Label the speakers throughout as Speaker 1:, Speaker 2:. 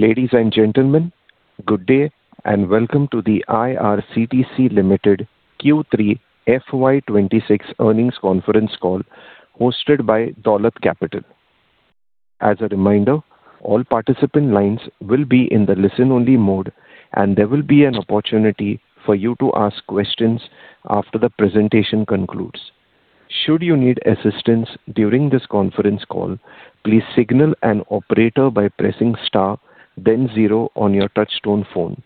Speaker 1: Ladies and gentlemen, good day, and welcome to the IRCTC Limited Q3 FY26 earnings conference call, hosted by Dolat Capital. As a reminder, all participant lines will be in the listen-only mode, and there will be an opportunity for you to ask questions after the presentation concludes. Should you need assistance during this conference call, please signal an operator by pressing star then zero on your touchtone phone.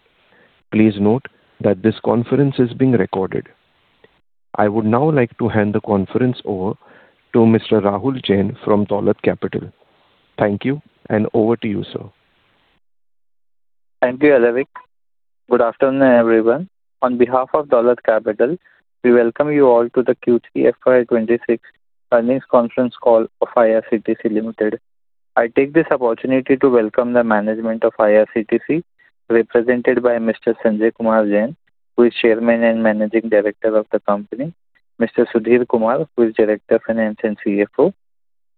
Speaker 1: Please note that this conference is being recorded. I would now like to hand the conference over to Mr. Rahul Jain from Dolat Capital. Thank you, and over to you, sir.
Speaker 2: Thank you, Vivek. Good afternoon, everyone. On behalf of Dolat Capital, we welcome you all to the Q3 FY26 earnings conference call of IRCTC Limited. I take this opportunity to welcome the management of IRCTC, represented by Mr. Sanjay Kumar Jain, who is Chairman and Managing Director of the company. Mr. Sudhir Kumar, who is Director of Finance and CFO.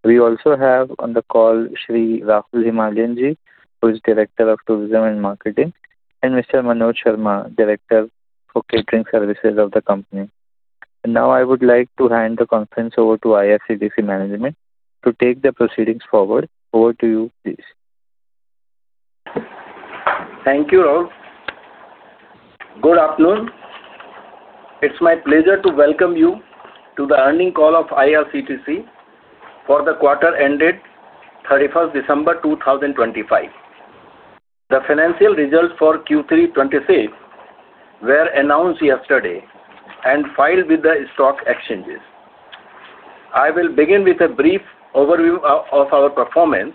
Speaker 2: We also have on the call Sri Rahul Himalian Ji, who is Director of Tourism and Marketing, and Mr. Manoj Sharma, Director for Catering Services of the company. Now I would like to hand the conference over to IRCTC management to take the proceedings forward. Over to you, please.
Speaker 3: Thank you all. Good afternoon. It's my pleasure to welcome you to the earning call of IRCTC for the quarter ended 31 December 2025. The financial results for Q3 2026 were announced yesterday and filed with the stock exchanges. I will begin with a brief overview of our performance,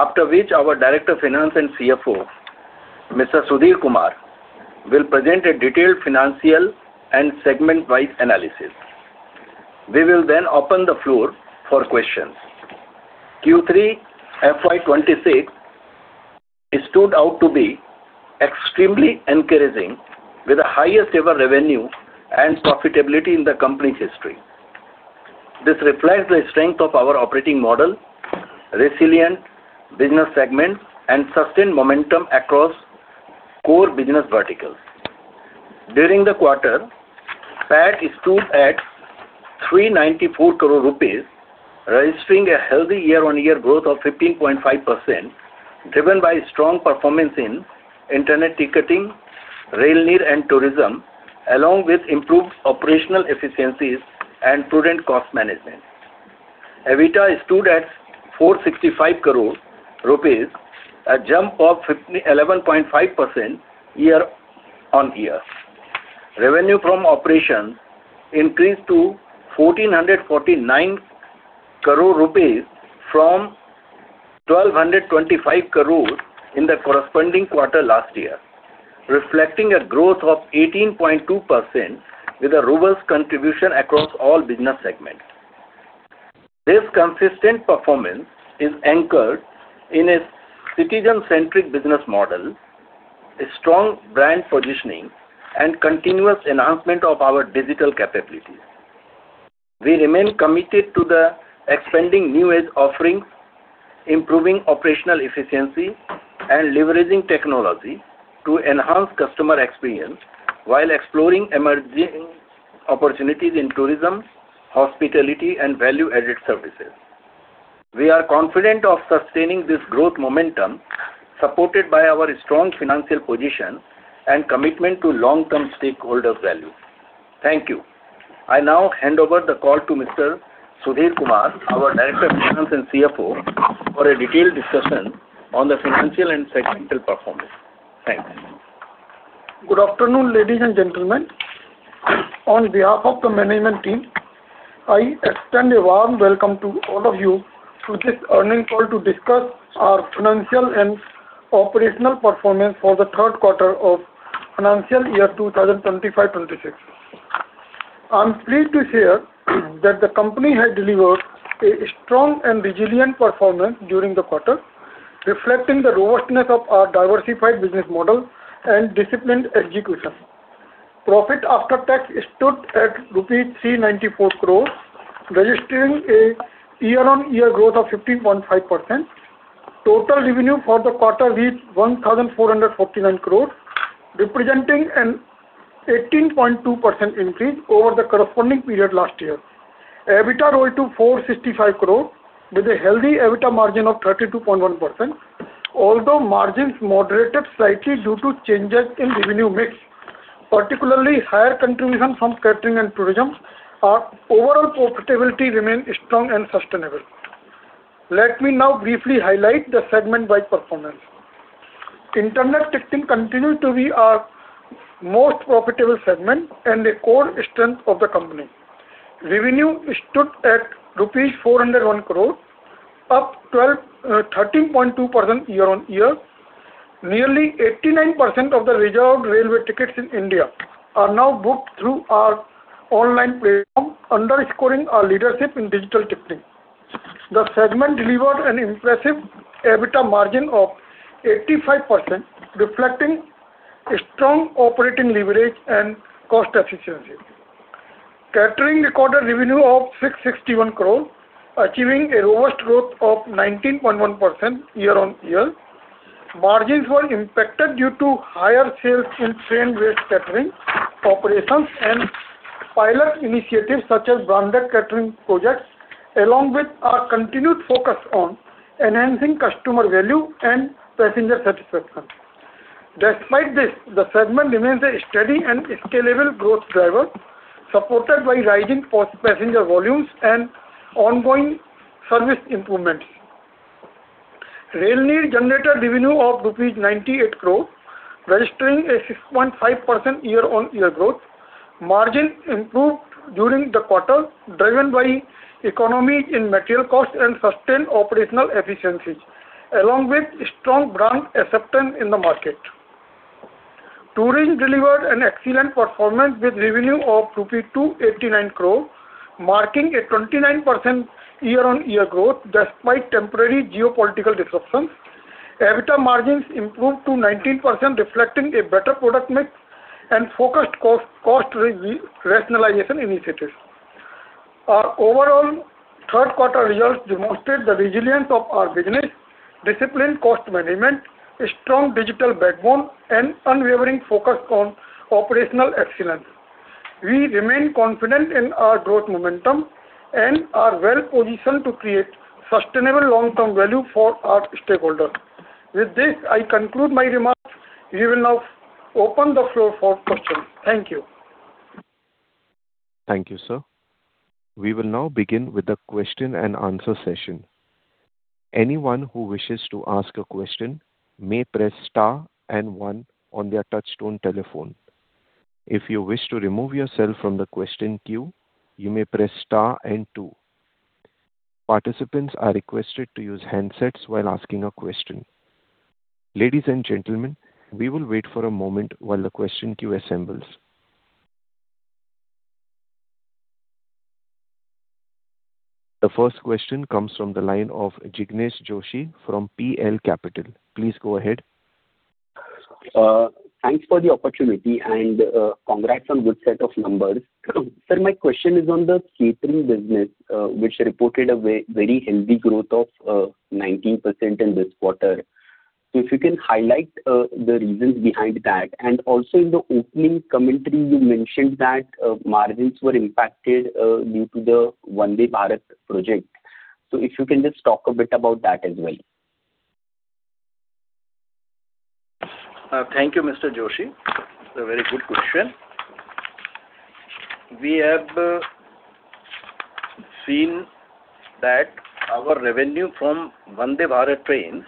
Speaker 3: after which our Director of Finance and CFO, Mr. Sudhir Kumar, will present a detailed financial and segment-wide analysis. We will then open the floor for questions. Q3 FY 2026 stood out to be extremely encouraging, with the highest ever revenue and profitability in the company's history. This reflects the strength of our operating model, resilient business segments, and sustained momentum across core business verticals. During the quarter, PAT stood at 394 crore rupees, registering a healthy year-on-year growth of 15.5%, driven by strong performance in internet ticketing, Rail Neer, and tourism, along with improved operational efficiencies and prudent cost management. EBITDA stood at 465 crore rupees, a jump of 11.5% year-on-year. Revenue from operations increased to 1,449 crore rupees from 1,225 crore in the corresponding quarter last year, reflecting a growth of 18.2% with a robust contribution across all business segments. This consistent performance is anchored in a citizen-centric business model, a strong brand positioning, and continuous enhancement of our digital capabilities. We remain committed to the expanding new age offerings, improving operational efficiency, and leveraging technology to enhance customer experience while exploring emerging opportunities in tourism, hospitality, and value-added services. We are confident of sustaining this growth momentum, supported by our strong financial position and commitment to long-term stakeholder value. Thank you. I now hand over the call to Mr. Sudhir Kumar, our Director of Finance and CFO, for a detailed discussion on the financial and segmental performance. Thanks.
Speaker 4: Good afternoon, ladies and gentlemen. On behalf of the management team, I extend a warm welcome to all of you to this earnings call to discuss our financial and operational performance for the third quarter of financial year 2025-26. I'm pleased to share that the company has delivered a strong and resilient performance during the quarter, reflecting the robustness of our diversified business model and disciplined execution. Profit after tax stood at rupee 394 crore, registering a year-on-year growth of 15.5%. Total revenue for the quarter reached 1,449 crore, representing an 18.2% increase over the corresponding period last year. EBITDA rose to 465 crore, with a healthy EBITDA margin of 32.1%. Although margins moderated slightly due to changes in revenue mix, particularly higher contribution from catering and tourism, our overall profitability remained strong and sustainable. Let me now briefly highlight the segment-wide performance. Internet ticketing continued to be our most profitable segment and a core strength of the company. Revenue stood at rupees 401 crore, up 13.2% year-on-year. Nearly 89% of the reserved railway tickets in India are now booked through our online platform, underscoring our leadership in digital ticketing. The segment delivered an impressive EBITDA margin of 85%, reflecting a strong operating leverage and cost efficiency. Catering recorded revenue of 661 crore, achieving a robust growth of 19.1% year-on-year. Margins were impacted due to higher sales in train-based catering operations and pilot initiatives, such as branded catering projects, along with our continued focus on enhancing customer value and passenger satisfaction. Despite this, the segment remains a steady and scalable growth driver, supported by rising passenger volumes and ongoing service improvements. Rail Neer generated revenue of rupees 98 crore, registering a 6.5% year-on-year growth. Margin improved during the quarter, driven by economy in material costs and sustained operational efficiencies, along with strong brand acceptance in the market. Tourism delivered an excellent performance with revenue of rupee 289 crore, marking a 29% year-on-year growth, despite temporary geopolitical disruptions. EBITDA margins improved to 19%, reflecting a better product mix and focused cost rationalization initiatives. Our overall third quarter results demonstrate the resilience of our business, disciplined cost management, a strong digital backbone, and unwavering focus on operational excellence. We remain confident in our growth momentum and are well positioned to create sustainable long-term value for our stakeholders. With this, I conclude my remarks. We will now open the floor for questions. Thank you.
Speaker 1: Thank you, sir. We will now begin with the question and answer session. Anyone who wishes to ask a question may press star and one on their touchtone telephone. If you wish to remove yourself from the question queue, you may press star and two. Participants are requested to use handsets while asking a question. Ladies and gentlemen, we will wait for a moment while the question queue assembles. The first question comes from the line of Jinesh Joshi from PL Capital. Please go ahead.
Speaker 5: Thanks for the opportunity and, congrats on good set of numbers. Sir, my question is on the catering business, which reported a very healthy growth of 19% in this quarter. If you can highlight the reasons behind that, and also in the opening commentary, you mentioned that margins were impacted due to the Vande Bharat project. So if you can just talk a bit about that as well.
Speaker 3: Thank you, Mr. Joshi. It's a very good question. We have seen that our revenue from Vande Bharat trains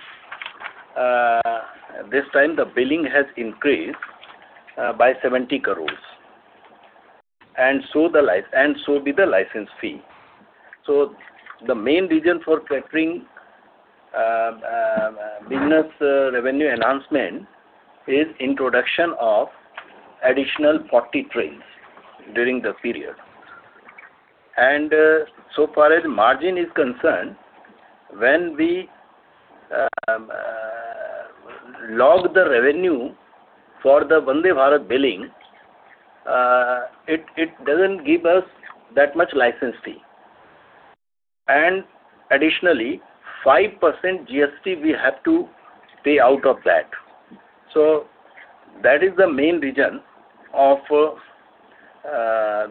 Speaker 3: this time the billing has increased by 70 crore, and so the license fee. So the main reason for catering business revenue enhancement is introduction of additional 40 trains during the period. And so far as margin is concerned, when we log the revenue for the Vande Bharat billing, it doesn't give us that much license fee. And additionally, 5% GST we have to pay out of that. So that is the main reason of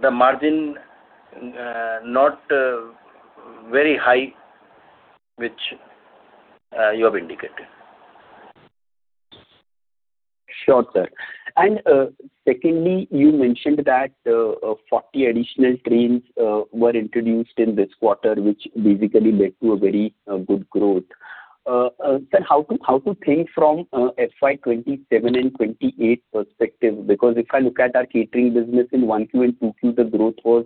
Speaker 3: the margin not very high, which you have indicated.
Speaker 5: Sure, sir. And, secondly, you mentioned that 40 additional trains were introduced in this quarter, which basically led to a very good growth. Sir, how to think from FY 2027 and 2028 perspective? Because if I look at our catering business in 1Q and 2Q, the growth was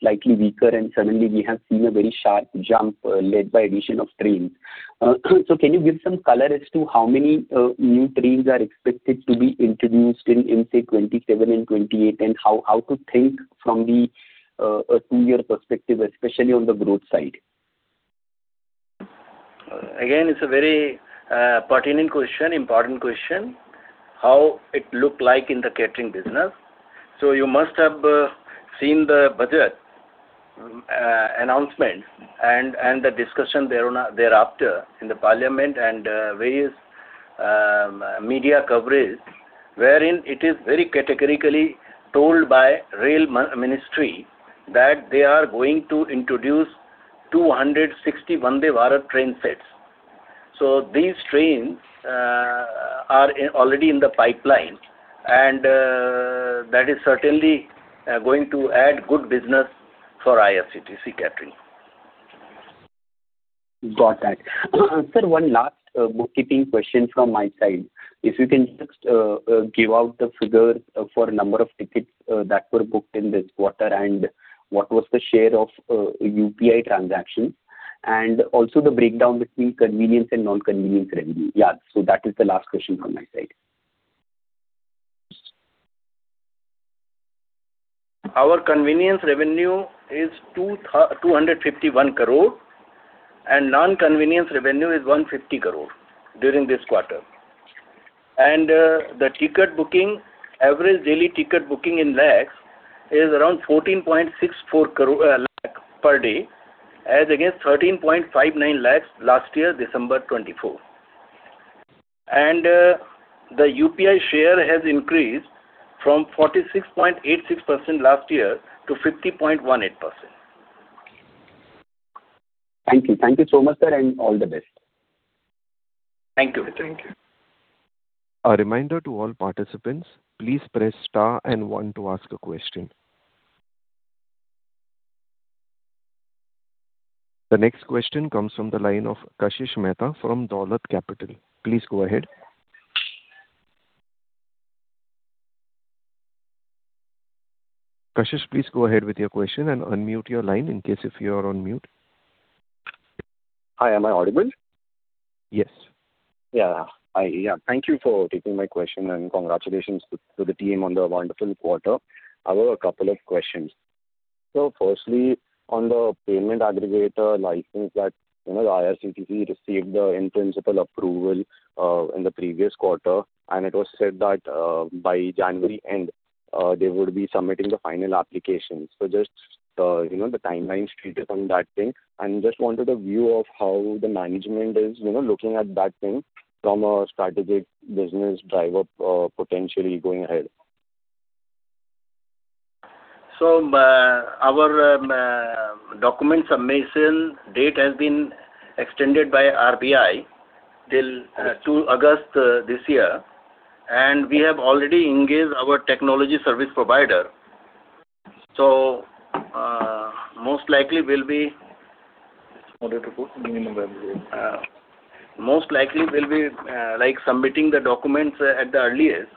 Speaker 5: slightly weaker, and suddenly we have seen a very sharp jump led by addition of trains. So can you give some color as to how many new trains are expected to be introduced in, say, 2027 and 2028? And how to think from a two-year perspective, especially on the growth side.
Speaker 3: Again, it's a very pertinent question, important question, how it look like in the catering business. So you must have seen the budget announcement and the discussion thereafter in the parliament and various media coverage, wherein it is very categorically told by rail ministry that they are going to introduce 260 Vande Bharat train sets. So these trains are already in the pipeline, and that is certainly going to add good business for IRCTC Catering.
Speaker 5: Got that. Sir, one last bookkeeping question from my side. If you can just give out the figure for number of tickets that were booked in this quarter, and what was the share of UPI transactions, and also the breakdown between convenience and non-convenience revenue? Yeah, so that is the last question from my side.
Speaker 3: Our convenience revenue is 251 crore, and non-convenience revenue is 150 crore during this quarter. The ticket booking average daily ticket booking in lakhs is around 14.64 lakhs per day, as against 13.59 lakhs last year, December 24. The UPI share has increased from 46.86% last year to 50.18%.
Speaker 5: Thank you. Thank you so much, sir, and all the best.
Speaker 3: Thank you. Thank you.
Speaker 1: A reminder to all participants, please press star and one to ask a question. The next question comes from the line of Kashish Mehta from Dolat Capital. Please go ahead. Kashish, please go ahead with your question and unmute your line in case if you are on mute.
Speaker 6: Hi, am I audible?
Speaker 1: Yes.
Speaker 6: Yeah. Yeah, thank you for taking my question, and congratulations to the team on the wonderful quarter. I have a couple of questions. So firstly, on the payment aggregator license that, you know, IRCTC received the in-principle approval in the previous quarter, and it was said that by January end they would be submitting the final application. So just, you know, the timeline status on that thing, and just wanted a view of how the management is, you know, looking at that thing from a strategic business driver potentially going ahead.
Speaker 3: So, our document submission date has been extended by RBI till 2 August this year, and we have already engaged our technology service provider. So, most likely we'll be- Most likely we'll be, like, submitting the documents at the earliest.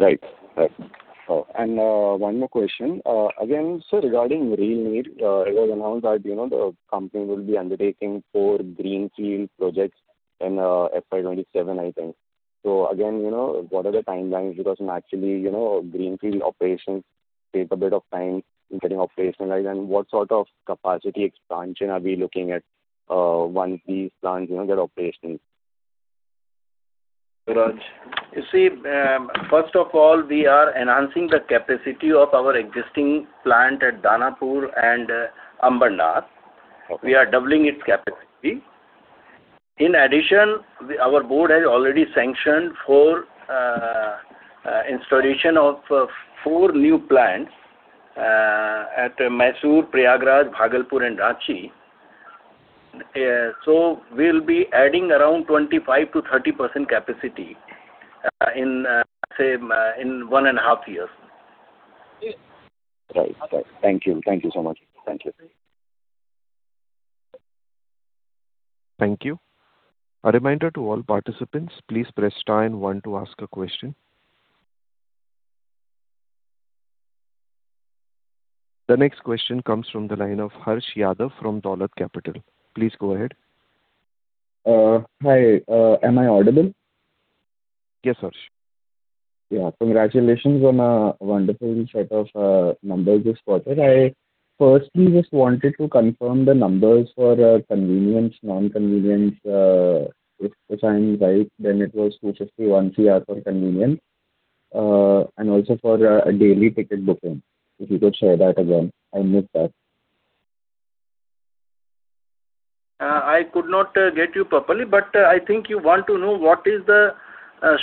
Speaker 6: Right. Right. Oh, and, one more question. Again, sir, regarding Rail Neer, it was announced that, you know, the company will be undertaking four greenfield projects in, FY 2027, I think. So again, you know, what are the timelines? Because naturally, you know, greenfield operations take a bit of time in getting operationalized. And what sort of capacity expansion are we looking at, once these plants, you know, get operational?
Speaker 3: Raj, you see, first of all, we are enhancing the capacity of our existing plant at Danapur and Ambala.
Speaker 6: Okay.
Speaker 3: We are doubling its capacity. In addition, our board has already sanctioned four installation of four new plants at Mysore, Prayagraj, Bhagalpur, and Ranchi. So we'll be adding around 25%-30% capacity in say in one and a half years.
Speaker 6: Right. Right. Thank you. Thank you so much. Thank you.
Speaker 1: Thank you. A reminder to all participants, please press star and one to ask a question. The next question comes from the line of Harsh Yadav from Dolat Capital. Please go ahead.
Speaker 7: Hi, am I audible?
Speaker 1: Yes, Harsh.
Speaker 7: Yeah. Congratulations on a wonderful set of numbers this quarter. I firstly just wanted to confirm the numbers for convenience, non-convenience, if I'm right, then it was 251 crore for convenience, and also for daily ticket booking, if you could share that again. I missed that.
Speaker 3: I could not get you properly, but I think you want to know what is the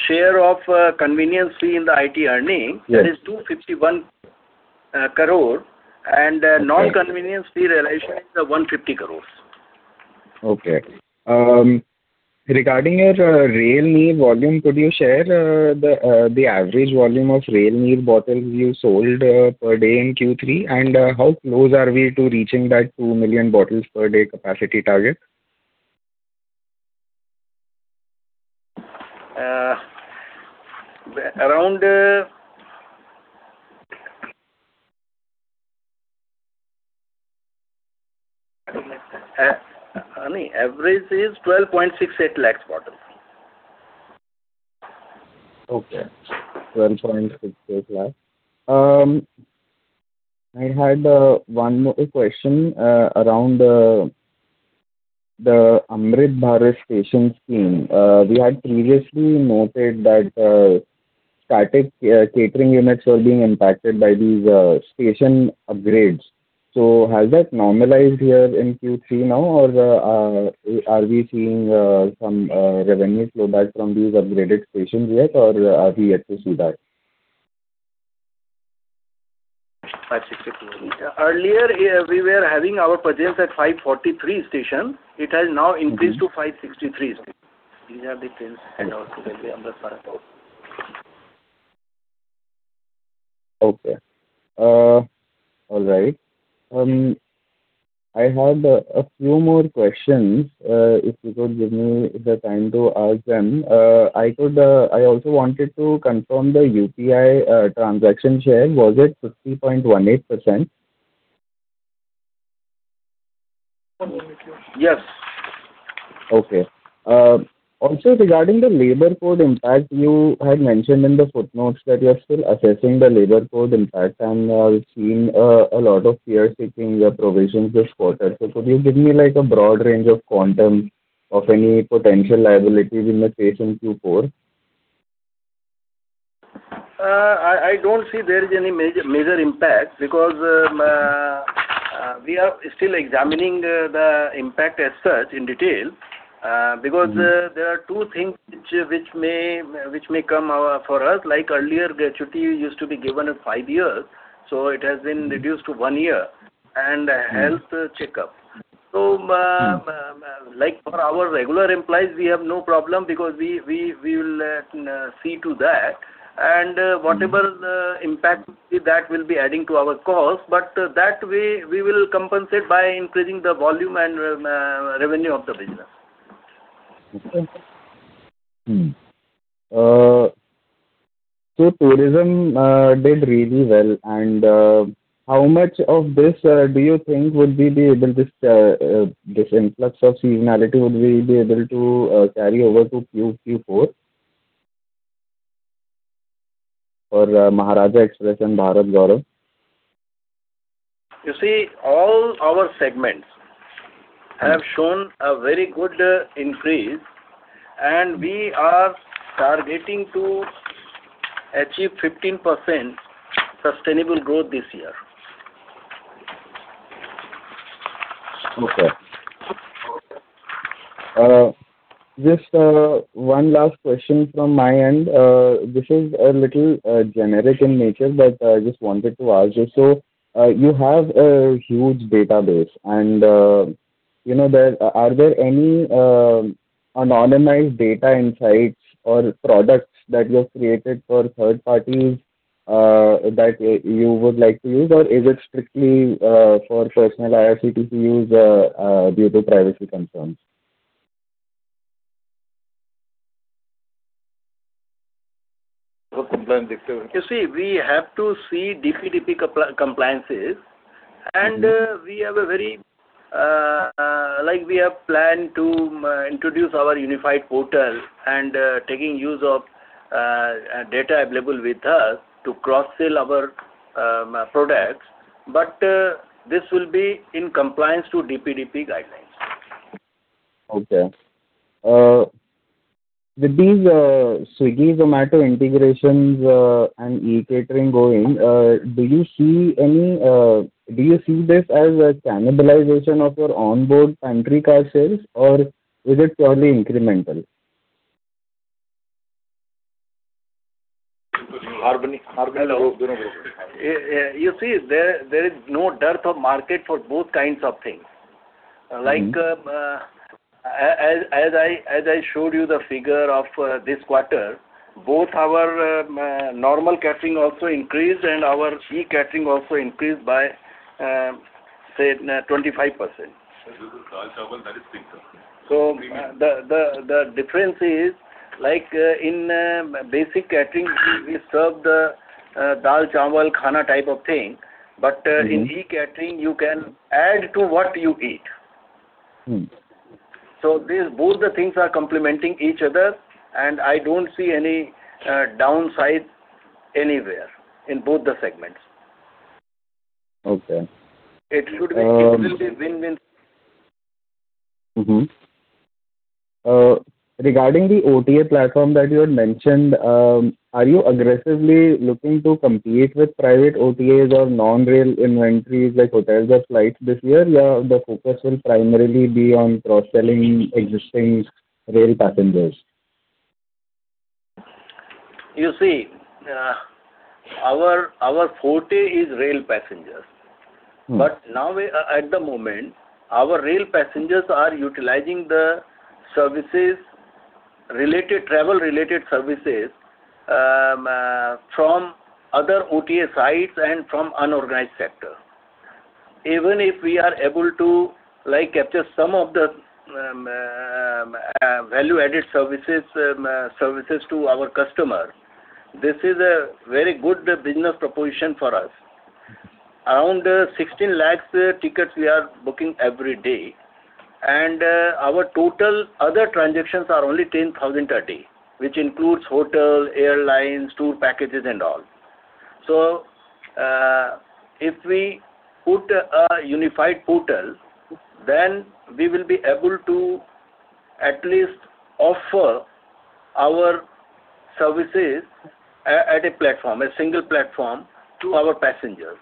Speaker 3: share of Convenience Fee in the IT earning.
Speaker 7: Yes.
Speaker 3: It is 251 crore.
Speaker 7: Okay.
Speaker 3: Non-Convenience Fee realization is 150 crore.
Speaker 7: Okay. Regarding your Rail Neer volume, could you share the average volume of Rail Neer bottles you sold per day in Q3? And how close are we to reaching that 2 million bottles per day capacity target?
Speaker 3: Around average is 12.68 lakhs bottles.
Speaker 7: Okay. 12.68 lakhs. I had one more question around the Amrit Bharat Station Scheme. We had previously noted that static catering units were being impacted by these station upgrades. So has that normalized here in Q3 now? Or are we seeing some revenue flow back from these upgraded stations yet, or are we yet to see that?
Speaker 3: 560. Earlier, we were having our presence at 543 stations. It has now increased to 563.
Speaker 4: These are the trends and also when we Amrit Bharat.
Speaker 7: Okay. All right. I had a few more questions if you could give me the time to ask them. I also wanted to confirm the UPI transaction share. Was it 50.18%?
Speaker 3: Yes.
Speaker 7: Okay. Also regarding the labor code impact, you had mentioned in the footnotes that you are still assessing the labor code impact, and we've seen a lot of caretaking provisions this quarter. So could you give me, like, a broad range of quantum of any potential liabilities in the case in Q4?
Speaker 3: I don't see there is any major impact, because we are still examining the impact as such in detail. Because there are two things which may come for us, like earlier, gratuity used to be given at five years, so it has been reduced to one year, and a health checkup. So, like for our regular employees, we have no problem because we will see to that. Whatever the impact that will be adding to our cost, but that way we will compensate by increasing the volume and revenue of the business.
Speaker 7: Mm-hmm. So tourism did really well, and, how much of this, do you think would we be able this, this influx of seasonality, would we be able to, carry over to Q4? For Maharajas' Express and Bharat Gaurav.
Speaker 3: You see, all our segments have shown a very good increase, and we are targeting to achieve 15% sustainable growth this year.
Speaker 7: Okay. Just, one last question from my end. This is a little, generic in nature, but I just wanted to ask you. So, you have a huge database and, you know, there-- are there any, anonymized data insights or products that you have created for third parties, that you would like to use? Or is it strictly, for personal IRCTC use, due to privacy concerns?
Speaker 3: You see, we have to see DPDP compliances, and, we have a very, like we have planned to, introduce our unified portal and, taking use of, data available with us to cross-sell our, products. But, this will be in compliance to DPDP guidelines.
Speaker 7: Okay. With these Swiggy, Zomato integrations, and e-catering going, do you see any, do you see this as a cannibalization of your onboard pantry car sales, or is it purely incremental?
Speaker 3: You see, there is no dearth of market for both kinds of things.
Speaker 7: Mm-hmm.
Speaker 3: Like, as I showed you the figure of, this quarter, both our normal catering also increased and our e-catering also increased by, say, 25%. So the difference is, like, in, basic catering, we serve the, dal chawal khana type of thing, but-
Speaker 7: Mm-hmm.
Speaker 3: In e-catering, you can add to what you eat.
Speaker 7: Mm.
Speaker 3: So this, both the things are complementing each other, and I don't see any downside anywhere in both the segments.
Speaker 7: Okay.
Speaker 3: It should be-
Speaker 7: Um.
Speaker 3: It will be win-win.
Speaker 7: Mm-hmm. Regarding the OTA platform that you had mentioned, are you aggressively looking to compete with private OTAs or non-rail inventories like hotels or flights this year? Or the focus will primarily be on cross-selling existing rail passengers?
Speaker 3: You see, our forte is rail passengers.
Speaker 7: Mm.
Speaker 3: But now we at the moment, our rail passengers are utilizing the services, related, travel-related services, from other OTA sites and from unorganized sector. Even if we are able to, like, capture some of the, value-added services, services to our customer, this is a very good business proposition for us. Around, 16 lakh tickets we are booking every day, and, our total other transactions are only 10,000 per day, which includes hotel, airlines, tour packages and all. So, if we put a unified portal, then we will be able to at least offer our services at a platform, a single platform, to our passengers.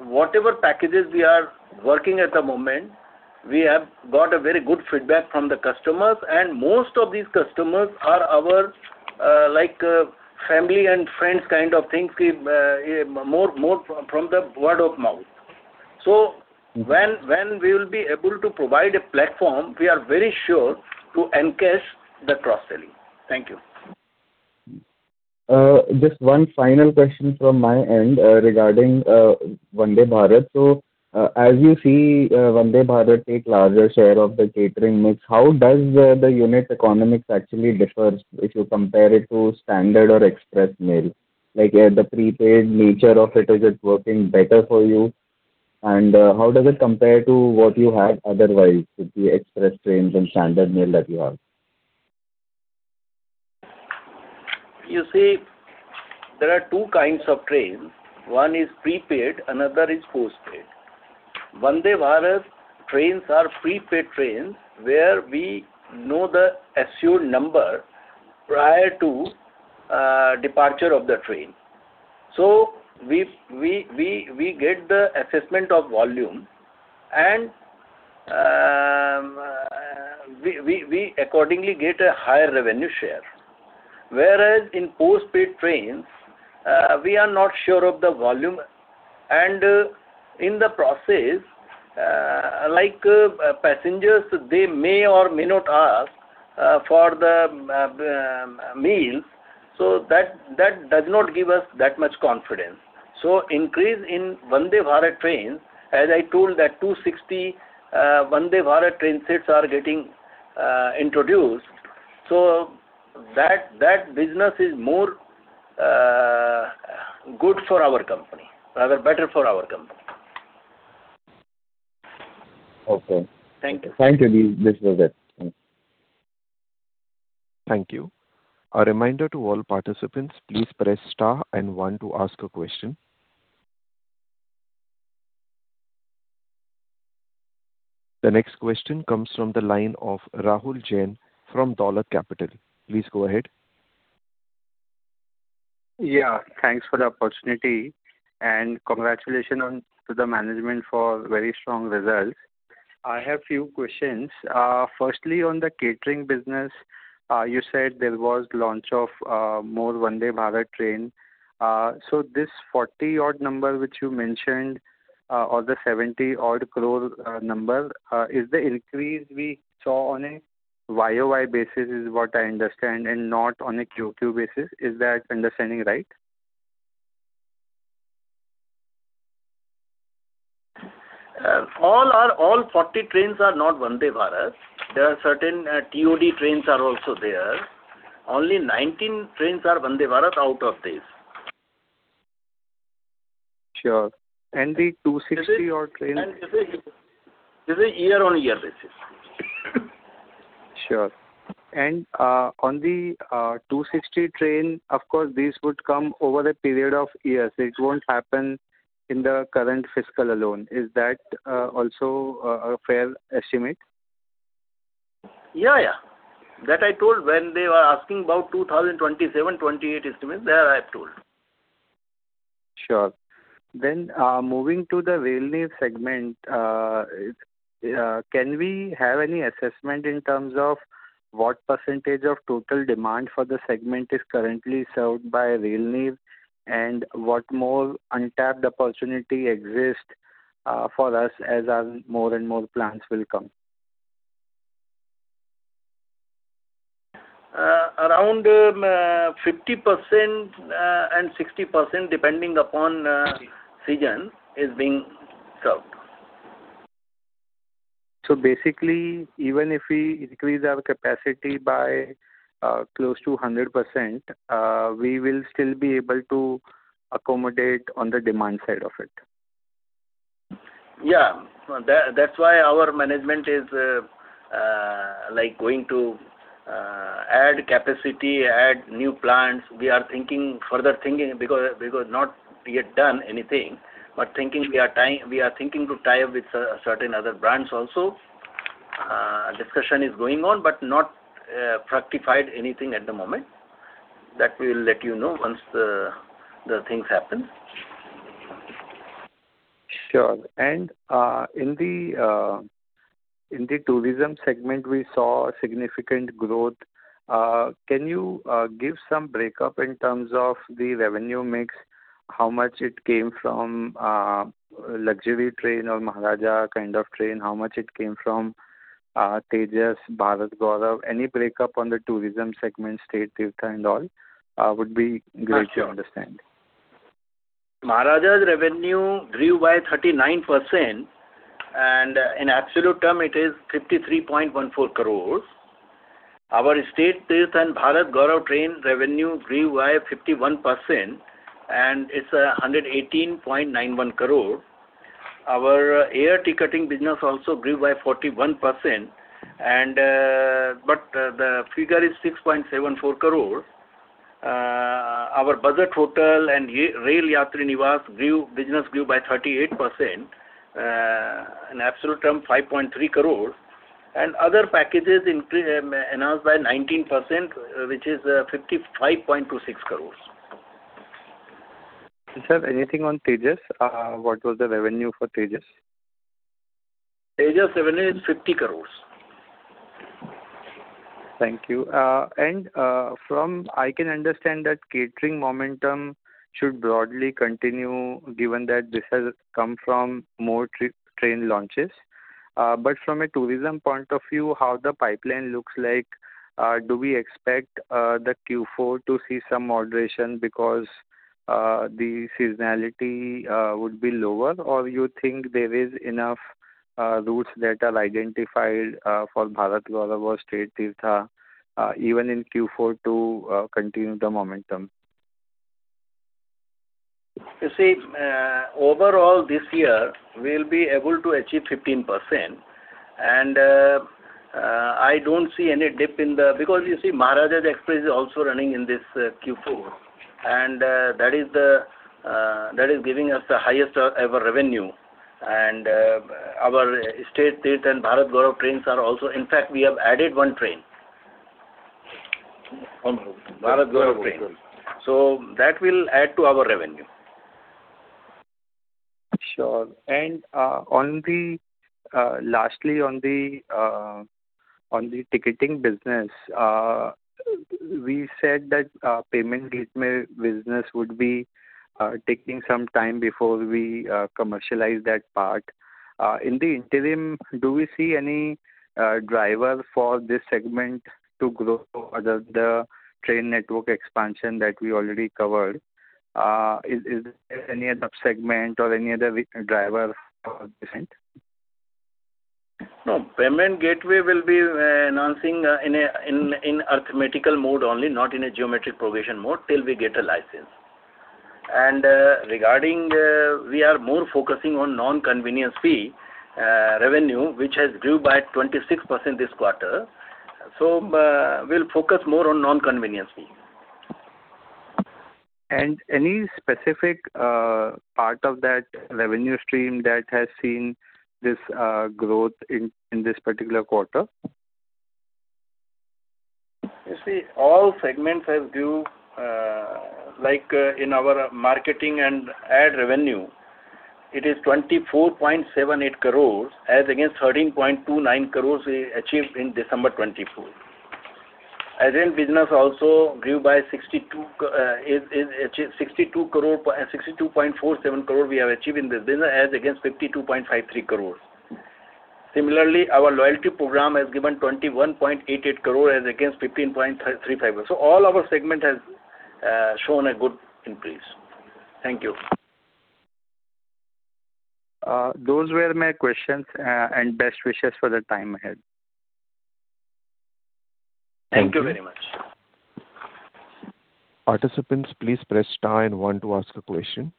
Speaker 3: Whatever packages we are working at the moment, we have got a very good feedback from the customers, and most of these customers are our, like, family and friends kind of things, more from the word of mouth. So-
Speaker 7: Mm.
Speaker 3: when we will be able to provide a platform, we are very sure to encash the cross-selling. Thank you.
Speaker 7: Just one final question from my end, regarding Vande Bharat. So, as you see, Vande Bharat take larger share of the catering mix, how does the unit economics actually differs if you compare it to standard or express mail? Like, the prepaid nature of it, is it working better for you? And, how does it compare to what you had otherwise with the express trains and standard mail that you have?
Speaker 3: You see, there are two kinds of trains. One is prepaid, another is postpaid. Vande Bharat trains are prepaid trains, where we know the assured number prior to departure of the train. So we get the assessment of volume and we accordingly get a higher revenue share. Whereas in postpaid trains, we are not sure of the volume, and in the process, like, passengers, they may or may not ask for the meals, so that does not give us that much confidence. So increase in Vande Bharat trains, as I told that 260 Vande Bharat train sets are getting introduced, so that business is more good for our company, rather better for our company.
Speaker 7: Okay.
Speaker 3: Thank you.
Speaker 7: Thank you, Mr. Vivek.
Speaker 1: Thank you. A reminder to all participants, please press star and one to ask a question. The next question comes from the line of Rahul Jain from Dolat Capital. Please go ahead.
Speaker 2: Yeah, thanks for the opportunity, and congratulations to the management for very strong results. I have few questions. First, on the catering business, you said there was launch of more Vande Bharat train. So this 40-odd number, which you mentioned, or the 70-odd crore number, is the increase we saw on a year-over-year basis, is what I understand, and not on a quarter-over-quarter basis. Is that understanding right?
Speaker 3: All 40 trains are not Vande Bharat. There are certain TSV trains are also there. Only 19 trains are Vande Bharat out of this.
Speaker 2: Sure. And the 260-odd trains?
Speaker 3: This is year-on-year basis.
Speaker 2: Sure. And, on the 260 train, of course, this would come over a period of years. It won't happen in the current fiscal alone. Is that also a fair estimate?
Speaker 3: Yeah, yeah. That I told when they were asking about 2027, 2028 estimate, there I have told.
Speaker 2: Sure. Then, moving to the Rail Neer segment, can we have any assessment in terms of what percentage of total demand for the segment is currently served by Rail Neer, and what more untapped opportunity exists, for us as more and more plans will come?
Speaker 3: Around 50% and 60%, depending upon season, is being served.
Speaker 2: So basically, even if we increase our capacity by close to 100%, we will still be able to accommodate on the demand side of it?
Speaker 3: Yeah. That's why our management is, like, going to add capacity, add new plants. We are thinking, further thinking, because not yet done anything, but thinking we are. We are thinking to tie up with certain other brands also. Discussion is going on, but not fructified anything at the moment. That we will let you know once the things happen.
Speaker 2: Sure. And in the tourism segment, we saw significant growth. Can you give some breakup in terms of the revenue mix? How much it came from luxury train or Maharaja kind of train? How much it came from Tejas, Bharat Gaurav? Any breakup on the tourism segment, State Teerth and all would be great to understand.
Speaker 3: Maharajas' revenue grew by 39%, and in absolute term, it is 53.14 crore. Our State Teerth and Bharat Gaurav train revenue grew by 51%, and it's 118.91 crore. Our air ticketing business also grew by 41%, and, But the figure is 6.74 crore. Our budget hotel and Rail Yatri Niwas business grew by 38%, in absolute term, 5.3 crore. And other packages increased, enhanced by 19%, which is, 55.26 crore.
Speaker 2: Sir, anything on Tejas? What was the revenue for Tejas?
Speaker 3: Tejas revenue is INR 50 crore.
Speaker 2: Thank you. And, I can understand that catering momentum should broadly continue, given that this has come from more trip train launches. But from a tourism point of view, how the pipeline looks like? Do we expect the Q4 to see some moderation because the seasonality would be lower? Or you think there is enough routes that are identified for Bharat Gaurav or State Teertha, even in Q4, to continue the momentum?
Speaker 3: You see, overall, this year, we'll be able to achieve 15%.... And, I don't see any dip in the-- Because, you see, Maharajas' Express is also running in this Q4, and that is the, that is giving us the highest ever revenue. And, our state, state and Bharat Gaurav trains are also-- In fact, we have added one train. Bharat Gaurav train. So that will add to our revenue.
Speaker 2: Sure. And lastly, on the ticketing business, we said that payment gateway business would be taking some time before we commercialize that part. In the interim, do we see any driver for this segment to grow other than the train network expansion that we already covered? Is there any other segment or any other driver or different?
Speaker 3: No, payment gateway will be announcing in an arithmetical mode only, not in a geometric progression mode, till we get a license. Regarding, we are more focusing on non-convenience fee revenue, which has grew by 26% this quarter. We'll focus more on non-convenience fee.
Speaker 2: Any specific part of that revenue stream that has seen this growth in this particular quarter?
Speaker 3: You see, all segments have grew, like, in our marketing and ad revenue, it is 24.78 crore, as against 13.29 crore we achieved in December 2024. Agent business also grew by 62, 62.47 crore we have achieved in this business, as against 52.53 crore. Similarly, our loyalty program has given 21.88 crore as against 15.35 crore. All our segment has shown a good increase. Thank you.
Speaker 2: Those were my questions, and best wishes for the time ahead.
Speaker 3: Thank you very much.
Speaker 1: Participants, please press star and one to ask a question.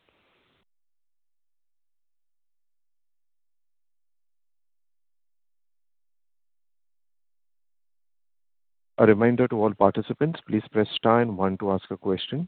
Speaker 1: A reminder to all participants, please press star and one to ask a question.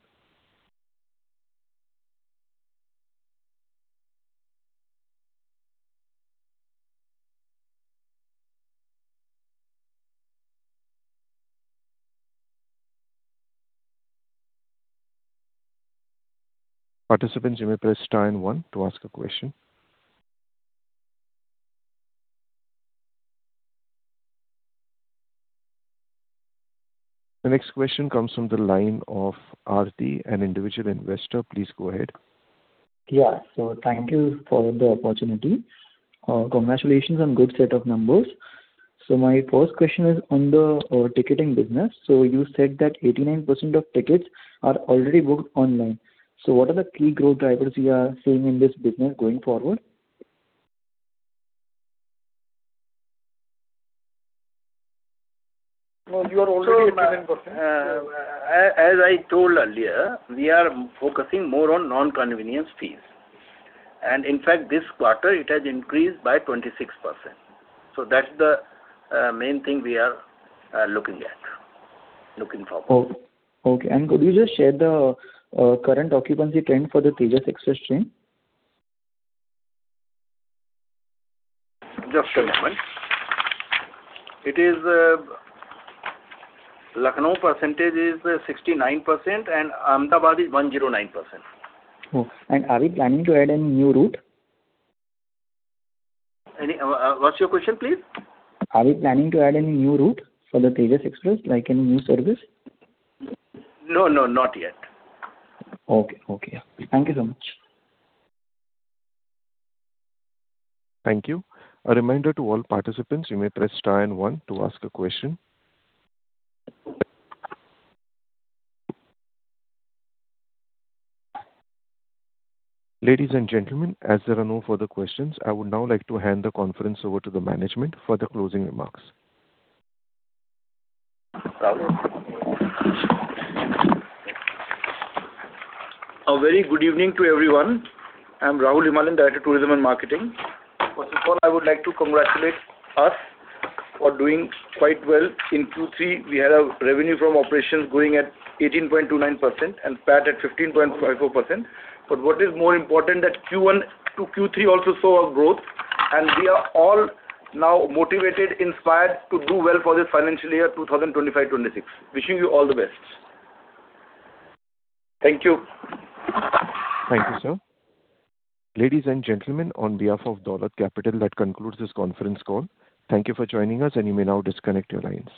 Speaker 1: Participants, you may press star and one to ask a question. The next question comes from the line of Arti, an individual investor. Please go ahead.
Speaker 8: Yeah. So thank you for the opportunity. Congratulations on good set of numbers. So my first question is on the ticketing business. So you said that 89% of tickets are already booked online. So what are the key growth drivers you are seeing in this business going forward?
Speaker 3: No, you are already at 89%. As I told earlier, we are focusing more on non-convenience fees. And in fact, this quarter, it has increased by 26%. So that's the main thing we are looking at, looking for.
Speaker 8: Okay. And could you just share the current occupancy trend for the Tejas Express train?
Speaker 3: Just a moment. It is Lucknow percentage is 69%, and Ahmedabad is 109%.
Speaker 8: Oh, and are we planning to add any new route?
Speaker 3: Any, what's your question, please?
Speaker 8: Are we planning to add any new route for the Tejas Express, like any new service?
Speaker 3: No, no, not yet.
Speaker 8: Okay. Okay. Thank you so much.
Speaker 1: Thank you. A reminder to all participants, you may press star and one to ask a question. Ladies and gentlemen, as there are no further questions, I would now like to hand the conference over to the management for the closing remarks.
Speaker 9: A very good evening to everyone. I'm Rahul Himalian, Director, Tourism and Marketing. First of all, I would like to congratulate us for doing quite well. In Q3, we had our revenue from operations growing at 18.29% and PAT at 15.44%. But what is more important that Q1 to Q3 also saw a growth, and we are all now motivated, inspired to do well for this financial year, 2025/26. Wishing you all the best.
Speaker 3: Thank you.
Speaker 1: Thank you, sir. Ladies and gentlemen, on behalf of Dolat Capital, that concludes this conference call. Thank you for joining us, and you may now disconnect your lines.